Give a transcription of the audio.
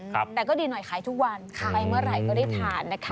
แต่ก็ดีหน่อยขายทุกวันไปเมื่อไหร่ก็ได้ทานนะคะ